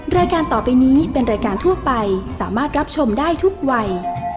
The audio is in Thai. รายการต่อไปนี้เป็นรายการทั่วไปสามารถรับชมได้ทุกวัย